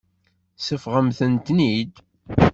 Seffɣemt-ten-id.